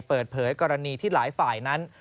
เปิดเผยกรณีที่หลายฝ่ายนั้น